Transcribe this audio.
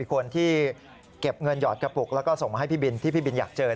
คนที่เก็บเงินหยอดกระปุกแล้วก็ส่งมาให้พี่บินที่พี่บินอยากเจอ